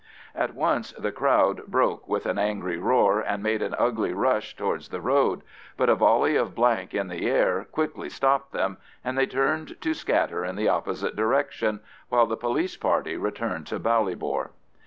At once the crowd broke with an angry roar, and made an ugly rush towards the road, but a volley of blank in the air quickly stopped them, and they turned to scatter in the opposite direction, while the police party returned to Ballybor.